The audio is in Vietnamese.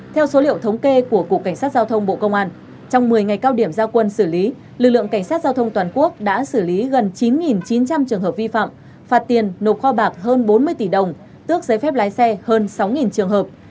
theo số liệu thống kê của cục cảnh sát giao thông bộ công an trong một mươi ngày cao điểm giao quân xử lý lực lượng cảnh sát giao thông toàn quốc đã xử lý gần chín chín trăm linh trường hợp vi phạm phạt tiền nộp kho bạc hơn bốn mươi tỷ đồng tước giấy phép lái xe hơn sáu trường hợp